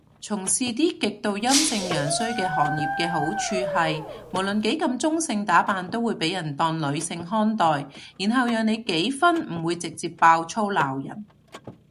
從事啲極度陽盛陰衰嘅行業嘅好處係，無論幾咁中性打扮都會被人當女性看待，然後讓你幾分唔會直接爆粗鬧人